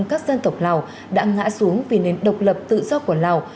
các dân tộc lào đã ngã xuống vì nền độc lập tự do của lào